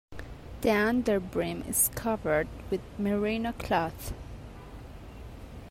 The underbrim is covered with merino cloth.